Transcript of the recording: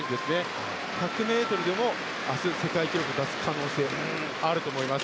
１００ｍでも明日世界記録を出す可能性があると思います。